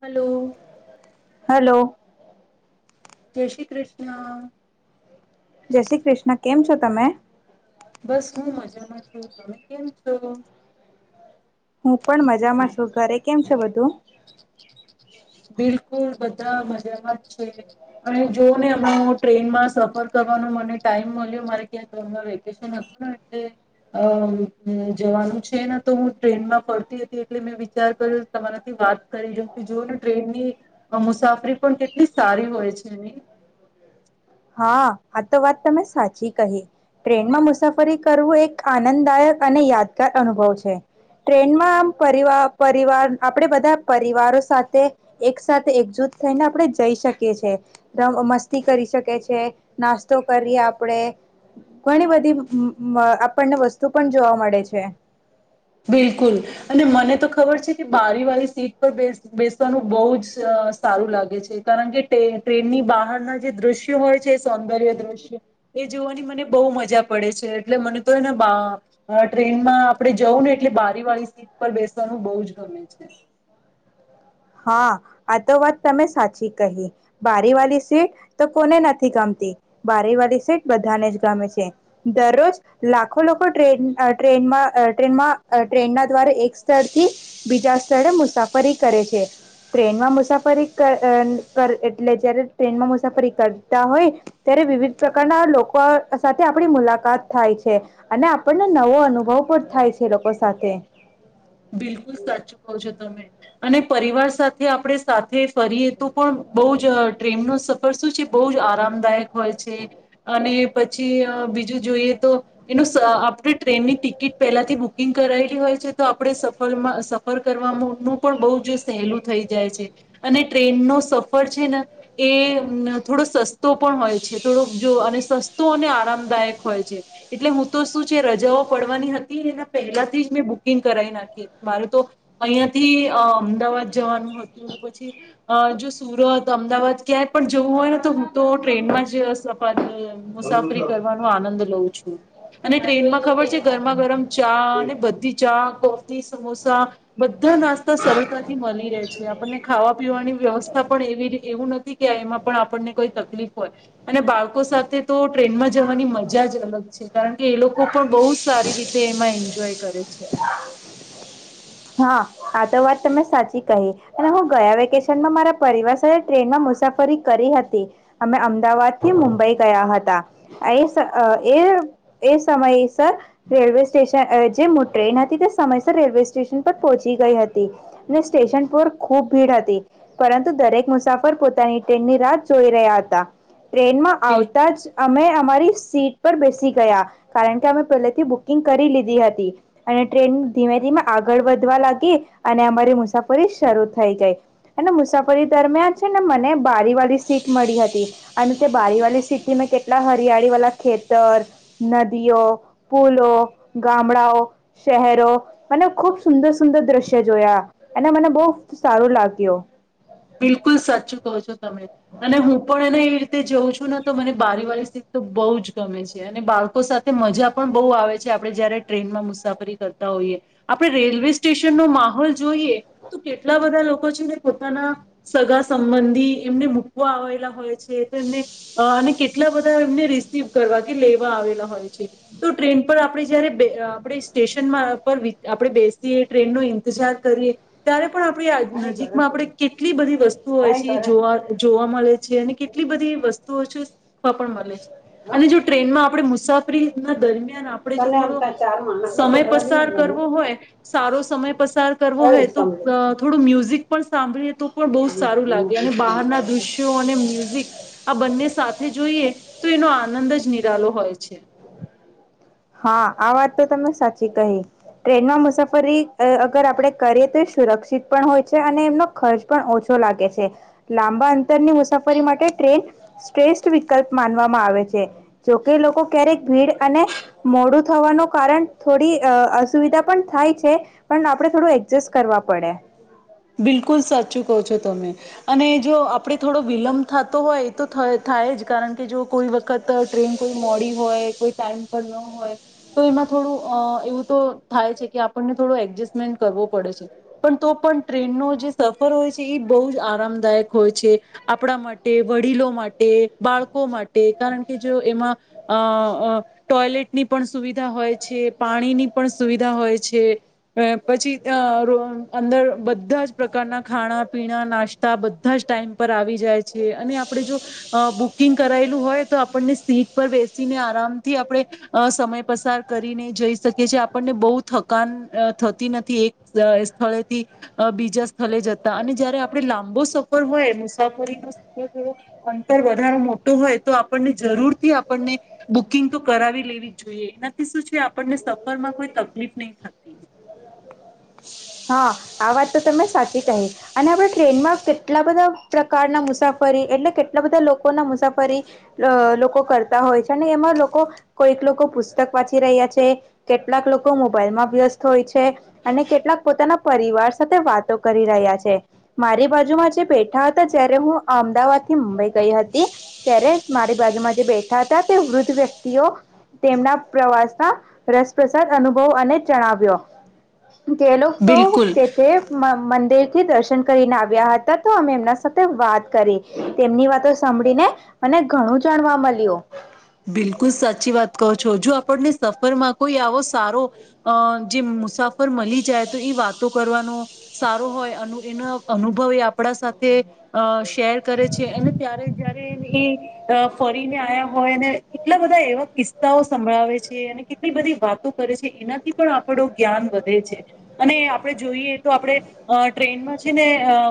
Hello. Hello. જય શ્રી કૃષ્ણ. જય શ્રી કૃષ્ણ કેમ છો તમે? બસ હું મજામાં છું તમે કેમ છો? હું પણ મજામાં છું ઘરે કેમ છે બધું? બિલકુલ બધા મજામાં જ છે અને જો ને હમણાં ટ્રેનમાં સફર કરવાનો મને ટાઈમ મળ્યો મારે ક્યાંક ફરવા વેકેશન હતું ને એટલે અ જવાનું છે ને તો હું ટ્રેનમાં ફરતી હતી એટલે મેં વિચાર કર્યો તમારાથી વાત કરી લઉં કે જો ને ટ્રેનની મુસાફરી પણ કેટલી સારી હોય છે નહિ? હા આ તો વાત તમે સાચી કહી ટ્રેનમાં મુસાફરી કરવું એક આનંદદાયક અને યાદગાર અનુભવ છે ટ્રેનમાં આમ પરિવાર પરિવાર આપણે બધા પરિવારો સાથે એક સાથે એકજૂટ થઈને આપણે જઈ શકીએ છેએ મસ્તી કરી શકીએ છીએ નાસ્તો કરીએ આપણેે ઘણી બધી અહ આપણને વસ્તુ પણ જોવા મળે છે. બિલકુલ અને મને તો ખબર છે કે બારી વાળી સીટ પર બેસ બેસવાનું બહુ જ સારું લાગે છે કારણ કે ટ્રેનની બહારના જે દ્રશ્યો હોય છે સૌંદર્ય દ્રશ્ય એ જોવાની મને બહુ મજા પડે છે એટલે મને તો [unintelligible] એને ટ્રેનમાં આપણે જવું ને એટલે બારી વાળી સીટ પર બેસવાનું બહુ જ ગમે છે. હા આ તો વાત તમે સાચી કહી બારી વાલી સીટ તો કોને નથી ગમતી બારી વાળી સીટ બધાને જ ગમે છે દરરોજ લાખો લોકો ટ્રેન ટ્રેનમાં અહ ટ્રેનમાં ટ્રેનના દ્વારા એક સ્થળથી બીજા સ્થળે મુસાફરી કરે છે. ટ્રેનમાં મુસાફરી અહ અહ એટલે જયારે ટ્રેનમાં મુસાફરી કરતા હોય ત્યારે વિવિધ પ્રકારના લોકો સાથે આપણી મુલાકાત થાય છે અને આપણને નવો અનુભવ પણ થાય છે એ લોકો સાથે. બિલકુલ સાચુ કહો છો તમે. અને પરિવાર સાથે આપણે સાથે [unintelligible] કરીએ તો પણ બહુ જટ ટ્રેન નો સફર શું છે બહુ જ આરામદાયક હોય છે અને પછી બીજું જોઈએ તો એનું આપણે ટ્રેનની ટિકિટ પહેલાથી બુકિંગ કરાયેલી હોય છે તો આપણે સફરમાં સફર કરવાનું પણ બહુ જ સહેલું થઈ જાય છે અને ટ્રેનનો સફર છે ન એ થોડો સસ્તો પણ હોય છે થોડોક જો અને સસ્તો અને આરામદાયક હોય છે એટલે હું તો શું છે રજાઓ પડવાની હતી એના પહેલાંથી જ મેં બુકિંગ કરાઈ નાખીએ મારે તો અહિયાંથી અહ અમદાવાદ જવાનું હતું પછી અહ જો સુરત અમદાવાદ ક્યાંય પણ જવું હોય ને તો હું તો ટ્રેનમાં જ સપારી અમ મુસાફરી કરવાનો આનંદ લઉં છું અને ટ્રેનમાં ખબર છે ગરમા ગરમ ચા અને બધી ચા કોફી સમોસા બધા નાસ્તા સરળતાથી મળી રહે છે આપણને ખાવા પીવાની વ્યવસ્થા પણ એવી એવું નથી કે એમાં પણ આપણને કોઈ તકલીફ [unintelligible] અને બાળકો સાથે તો ટ્રેનમાં જ જવાની મજા જ અલગ છે કારણ કે એ લો પણ બહુ સારી રીતે એમાં એન્જ એન્જોય કરે છે. હા આ ત વાત તમે સાચી કહી અને હું ગયા વેકેશનમાં મારા પરિવાર સાથે ટ્રેનમાં મુસાફરી કરી હતી અમે અમદાવાદ થી મુંબઈ ગયા હતા એસ એ એ સમયસર રેલવે સ્ટેશન જે ટ્રેન હતી તે સમયસર રેલ્વે સ્ટેશન પર પહોચી ગઈ હતી ને સ્ટેશન પર ખુબ ભીડ હતી પરંતુ દરેક મુસાફર પોતાની ટ્રેન ની રાત જોઈ રહ્યા હતા. ટ્રેનમાં આવતા બિલકુલ જ અમે અમારી સીટ પર બેસી ગયા કારણ કે અમે પહેલેથી બુકિંગ કરી લીધી હતી. અને ટ્રેન ધીમે ધીમે આગળ વધવા લાગી અને અમારી મુસાફરી શરૂ થઈ ગઈ અને મુસાફરી દરમિયાન છે ને મને બારી વાળલી સીટ મળી હતી અને તે બારી વાળલી સીટ થી મેં કેટલા હરિયાળી વાલા ખેતર નદીઓ પુલો ગામડાઓ શહેરો અને ખુબ સુંદર સુંદર દ્રશ્ય જોયા અને મને બહુ સારું લાગ્યું. બિલકુલ સાચુ કહો છો તમે અને હું પણ એને એ રીતે જાઉં છું ને તો મને બારી વાળી સીટ તો બહુ જ ગમે છે અને બાળકો સાથે મજા પણ બહુ આવે છે આપણે જયારે ટ્રેનમાં મુસાફરી કરતા હોઈએ આપણે રેલવે સ્ટેશનનો માહોલ જોઈએ તો કેટલા બધા લોકો છે ને પોતાના સગા સંબંધી એમને મૂકવા આવેલા હોય છે. તે તો એમને અ ની કેટલા બધા એમને રિસીવ કરવા કે લેવા આવેલા હોય છે તો ટ્રેન પર આપણે જયારે બે આપણે સ્ટેશન પર આપણે બેસીએ ટ્રેનનો ઇંતજાર કરીએ ત્યારે પણ આપણે આ નજીકમાં આપણે કે કેટલી બધી વસ્તુઓ હોય છે એ જોવા જોવા મળે છે અને કેટલી બધી વસ્તુ [unintelligible] પણ મળે છે અને જો ટ્રેનમાં આપણે મુસા પ્રિ ના દરમિયાન આપણે જો થોડો સમય પસાર કરવો હોય સારો સમય પસાર કરવો હોય તો અહ થોડુ મ્યુઝિક પણ સાંભળીએતો પર બહુ જ સારું લાગે અને બહારના દ્રશ્યો અને મ્યુઝિક આ બંને સાથે જોઈએ તો એનો આનંદ જ [unintelligible] હોય છે. હા આ વાત તો તમે સાચી કહી ટ્રેનમાં મુસાફરી અહ અગર આપણેે કરીએ તો એ સુરક્ષિત પણ હોય છે અને એમનો ખર્ચ પણ ઓછો લાગે છે. લાંબા અંતરની મુસાફરી માટે ટ્રેન શ્રેષ્ઠ વિકલ્પ માનવામાં આવે છે, જોકે લોકો ક્યારેક ભીડ અને મોડું થવાનું કારણ થોડી અહ અસુવિધા પણ થાય છે પણ આપણે થોડું એડજસ્ટ કરવા પડે. બિલકુલ સાચું કહો છો તમે અને જો આપણે થોડો વિલંબ થતો હોય એ તો થ થાય જ કારણ કે જો કોઈ વત વખત ટ્રેન કોઈ મોડી હોય ટાઈમ પર ન હોય તો એમાં થોડું અહ એવું તો થાય છે કે આપણને થોડો એડજસ્ટમેન્ટ કરવો પડે છે, પણ તો પણ ટ્રેનનો જે સફર હોય છે એ બહુ જ આરામદાયક હોય છે, આપણા માટે, વડીલો માટે, બાળકો માટે કારણ કે જો એમાં અ ટોયલેટની પણ સુવિધા હોય છે, પાણીની પણ સુવિધા હોય છે, અહ પછી અહ અંદર બધ બધા જ પ્રકારના ખાણા, પીણા, નાસ્તા બધા જ ટાઈમ પર આવી જાય છે. અહ અને આપડે જો બુક બુકિંગ કરાયેલું હોય તો આપણને સીટ પર બેસીને આરામથી આપણે સમય પસાર કરીને જઈ શકીએ છીએ. આપણને બહુ થકાન થતી નથી એક સ્થળેથી અહ બીજા સ્થળે જતા અને જયારે આપણે લાંબો સફર હોય મુસાફરીનો સફર થોડો અંતર વધારે મોટો હોય તો આપણને જરૂરથી આપણને બુકિંગ તો કરાવી લેવી જ જોઈએ એનાથી શું છે, આપણને સફરમાં કોઈ તકલીફ નહી થતી. હા આ વાત તો તમે સાચી કહી અને આપણે ટ્રેનમાં કેટલા બધા પ્રકારના મુસાફરી એટલે કેટલા બધા લોકો ના મુસાફરી લોકો કરતા હોય છે અને એમાં લોકો કોઈક લોકો પુસ્તક વાંચી રહ્યા છે કેટલાક લોકો મોબાઈલમાં વ્યસ્ત હોય છે અને કેટલાક પોતાના પરિવાર સાથે વાતો કરી રહ્યા છે. મારી બાજુમાં જે બેઠા હતા જયારે હું અમદાવાદ થી મુંબઈ ગઈ હતી ત્યારે મારી બાજુમાં જે બેઠા હતા તે વૃદ્ધ વ્યક્તિઓ તેમના પ્રવાસ ના રસપ્રસાદ અનુભવ અને જણાવ્યો, તે લોગ તો બિલકુલ કેતે મ મંદિર થી દર્શન કરીને આવ્યા હતા તો અમે એમના સાથે વાત કરી. તેમની વાતો સાંભળીને મને ઘણું જાણવા મલ્યું. બિલકુલ સાચી વાત કહો છો જો આપણને સફરમાં કોઈ આવો સારો અહ જે મુસાફ પર મળી જાય તો એ વાતો કરવાનો સારો હોય એનો અનુભવ એ આપણા સાથે અહ શેર કરે છે એને ત્યારે જ જયારે એટલે ફરીને આયા હોય અને કેટલા બધા એવા કિસ્સાઓ સંભળાવે છે અને કેટલી બધી વાતો કરે છે એનાથી પણ આપણું જ્ઞાન વધે છે અને આપણે જોઈએ તો આપણે અહ ટ્રેનમાં છે ને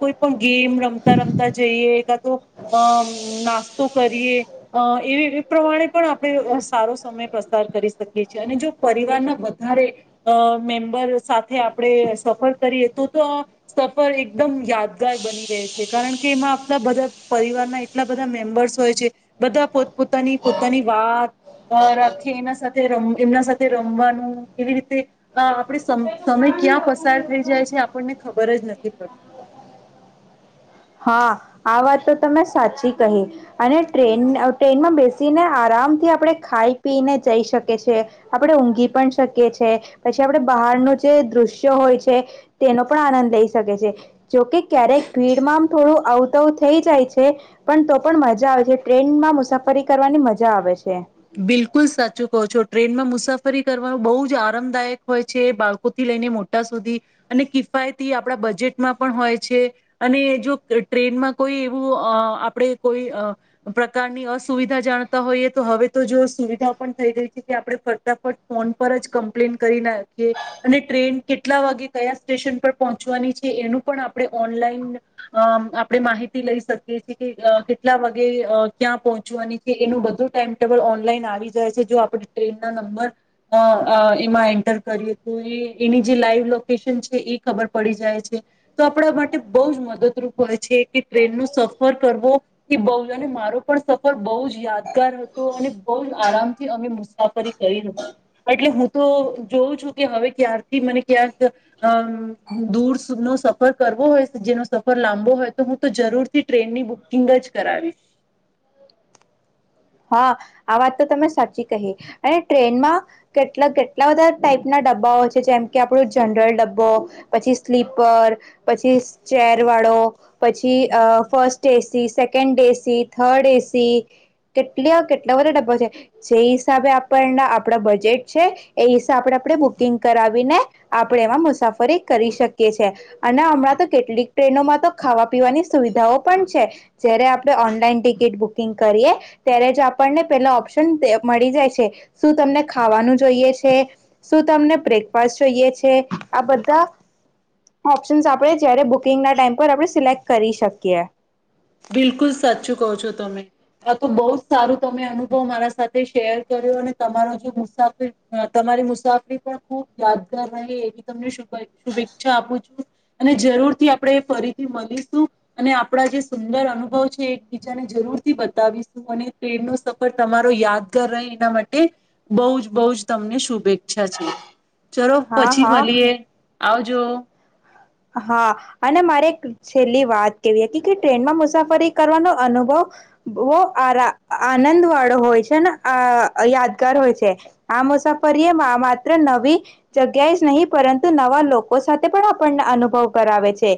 કોઈ પણ ગેમ રમતા રમતા જઈએ કા તો અહ નાસ્તો કરીએ. અહ એ વી પ્રમાણે પણ આપણે અહ સારો સમય પસાર કરી શકીએ છીએ, અને જો પરિવારના વધારે અહ મેમ્બર સાથે આપણે સફર કરીએ તો તો સફર એકદમ યાદગાર બની રહે છે, કારણ કે એમાં આપણા બધા પરિવારના એટલા બધા મેમ્બર્સ હોય છે બધા પોતપોતાની પોતાની વાત અહ રખે એના સાથે રમ એમના સાથે રમવાનું એવી રીતે અહ આપણે સમ સમય ક્યાં પસાર થઈ જાય છે આપણને ખબર જ નથી પડતી. હા આ વાત તો તમે સાચી કહી અને ટ્રેન ટ્રેનમાં બેસીને આરામથી આપણે ખાઈ પીને જઈ શકીએ છીએ આપણે ઊંઘી પણ શકીએ છીએ પછી આપણે બહારનું જે દૃશ્ય હોય છે તેનો પણ આનંદ લઈ શકીએ છીએ જોકે ક્યારેક ભીડમાં થોડું અવતવ થઈ જાય છે પણ તો પણ મજા આવે છે ટ્રેનમાં મુસાફરી કરવાની મજા આવે છે. બિલકુલ સાચું કહો છો ટ્રેનમાં મુસાફરી કરવાનું બહુ જ આરામદાયક હોય છે બાળકોથી લઈને મોટા સુધી અને કિફાયતી આપણા બજેટમાં પણ હોય છે અને જો ટ્રેનમાં કોઈ એવું અ આપણે કોઈ અ પ્રકારની અસુવિધા જાણતા હોઈએ તો હવે તો જો સુવિધાઓ પણ થઈ ગઈ છે કે આપણે ફટાફટ ફોન પર જ કંમ પ્લેન કરી નાખીએ અને ટ્રેન કેટલા વાગે કયા સ્ટેશન પર પહોંચવાની છે એનું પણ આપણે ઓનલાઈન અ આપણે માહિતી લઈ શકીએ છએ કે અ કેટલા વાગે અ ક્યાં પહોંચવાની છે એનું બધું ટાઈમ ટેબલ ઓનલાઈન આવી જાય છે જો આપણે ટ્રેન ના નંબર અ અ એમાં એન્ટર કરીએ તો એ એની જે લાઈવ લોકેશન છે એ ખબર પડી જાય છે તો આપણા માટે બહુ જ મદદરૂપ હોય છે કે ટ્રેન નો સફર કરવો એ બહુ અને મારો પણ સફર બહુ જ યાદગાર હ તો અને બહુ જ આરામથી અમે મુસાફરી કરી હતી એટલે હું તો જોઉં છું કે હવે ક્યારથી મને ક્યાંક અમ દુર સુધનો સફર કરવો હોય જેનો સફર લાંબો હોય તો હું તો જરૂર થી ટ્રેનની બુકિંગ જ કરાવીશ. હા આ વાત તો તમે સાચી કહી અને ટ્રેનમાં કેટલા કેટલા તો બધા ટાઈપના ડબ્બાઓ છે જેમ કે આપણું જનરલ ડબ્બો, પછી સ્લીપર, પછી ચેર વાળો, પછી અ first AC, second AC, third AC કેટલો કેટલા વાળો ડબ્બો છે જે હિસાબે આપણના આપણા બજેટ છે એ હિસાબે આપણે બુકિંગ કરાવીને આપણે એમાં મુસાફરી કરી શકીએ છીએ અને હમણાં તો કેટલીક ટ્રેનોમાં તો ખાવા પીવાની સુવિધાઓ પણ છે જયારે આપણે ઓનલાઈન ટિકિટ બુકિંગ કરીએ ત્યારે જ આપણને પેલા ઓપ્શન ટેપ મળી જાય છે શું તમને ખાવાનું જોઈએ છે? શું તમને બ્રેકફાસ્ટ જોઈએ છે? આ બધા ઓપ્શનસ આપણે જ્યારે બુકિંગના ટાઈમ પર આપણે સિલેક્ટ કરી શકીએ. બિલકુલ સાચું કહો છો તમે આ તો બહુ જ સારો તમે અનુભવ મારા સાથે શેર કર્યો અને તમારો જે મુસાફર અ તમારી મુસાફરી પણ ખુબ યાદગાર રહે એવી તમને શુભે શુભેચ્છા આપું છું અને જરૂરથી આપણે ફરીથી મલીશું અને આપણા જે સુંદર અનુભવ છે એકબીજાને જરૂર થી બતાવીશું અને ટ્રેનનો સફર તમારો યાદગાર રહે એના માટે બહુ જ બહુ જ તમને શુભેચ્છા છે. ચલો હા પછી હા મલીએ. આવજો. હા અને મારે એક છેલ્લી વાત કેવી હતી કે ટ્રેનમાં મુસાફરી કરવાનો અનુભવ બો આરા આનંદ વાળો હોય છે ને અ યાદગાર હોય છે આ મુસાફરી એ મા માત્ર નવી જગ્યાઓ જ નહીં પરંતુ નવા લોકો સાથે પણ આપણને અનુભવ કરાવે છે.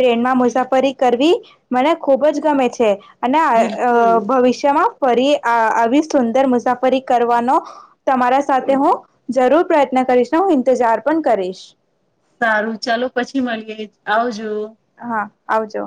ટ્રેનમાં બિલ મુસાફરી કરવી મને ખુબ જ ગમે છે. અને અ અ બિલકુલ ભવિષ્યમાં ફરી આ આવી સુંદર મુસાફરી કરવાનો તમારા સાથે હું જરૂર પ્રયત્ન કરીશ ને હું ઇન્તઝાર પન કરીશ. સારું ચાલો પછી મલીએ આવજો. હા. આવજો.